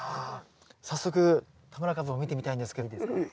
早速田村かぶを見てみたいんですけどいいですか？